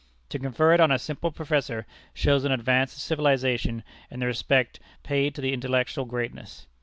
To confer it on a simple professor shows an advance of civilization in the respect paid to intellectual greatness.